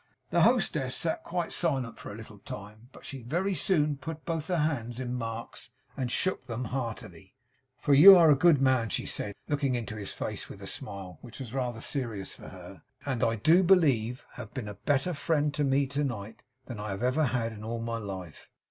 The hostess sat quite silent for a little time, but she very soon put both her hands in Mark's and shook them heartily. 'For you are a good man,' she said; looking into his face with a smile, which was rather serious for her. 'And I do believe have been a better friend to me to night than ever I have had in all my life.